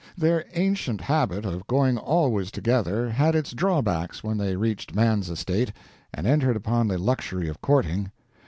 Their ancient habit of going always together had its drawbacks when they reached man's estate, and entered upon the luxury of courting.